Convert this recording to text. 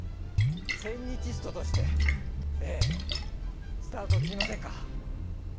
センニチストとしてええスタートを切りませんか？